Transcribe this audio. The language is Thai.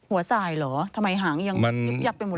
หัวสายเหรอทำไมหางยับไปหมดเลย